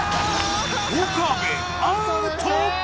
岡部アウト！